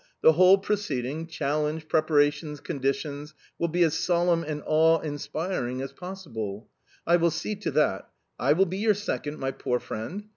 The whole proceeding challenge, preparations, conditions will be as solemn and awe inspiring as possible I will see to that. I will be your second, my poor friend!